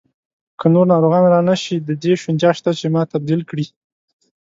که نور ناروغان را نه شي، د دې شونتیا شته چې ما تبدیل کړي.